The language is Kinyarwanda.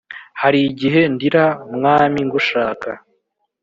Harigihe ndira mwami ngushaka